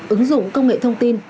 ứng dụng công nghệ thông tin